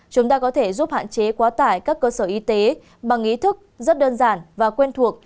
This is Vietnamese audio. chúng ta có thể giúp hạn chế quá tải các cơ sở y tế bằng ý thức rất đơn giản và quen thuộc